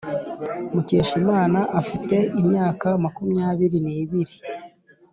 mukeshimana afite imyaka makumyabiri n’ibiri,